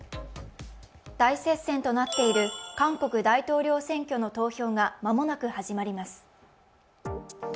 大接戦となっている韓国大統領選挙の投票が間もなく始まります。